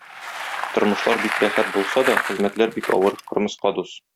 Тормышлар бик рәхәт булса да, хезмәтләр бик авыр, кырмыска дус.